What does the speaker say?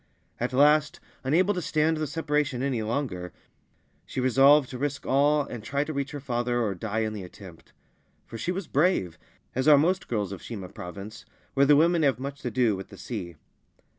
At last, unable to stand the separation any longer, she resolved to risk all and try to reach her father or die in the attempt ; for she was brave, as are most girls of Shima Province, where the women have much to do with the sea.